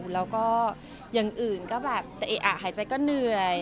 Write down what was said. แล้วก็อย่างอื่นก็แบบจะเอะอะหายใจก็เหนื่อย